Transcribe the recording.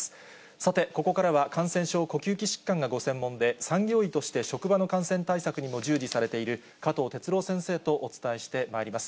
さて、ここからは感染症、呼吸器疾患がご専門で、産業医として職場の感染対策にも従事されている加藤哲朗先生とお伝えしてまいります。